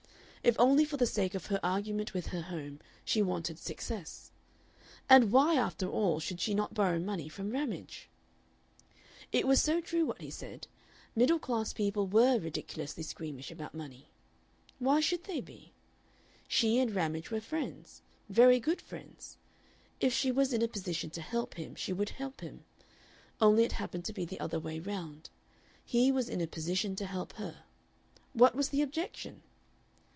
If only for the sake of her argument with her home, she wanted success. And why, after all, should she not borrow money from Ramage? It was so true what he said; middle class people WERE ridiculously squeamish about money. Why should they be? She and Ramage were friends, very good friends. If she was in a position to help him she would help him; only it happened to be the other way round. He was in a position to help her. What was the objection?